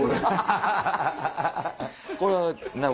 これはな